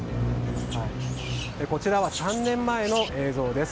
こちらは３年前の映像です。